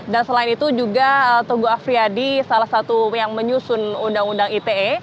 dan selain itu juga teguh afriyadi salah satu yang menyusun undang undang ite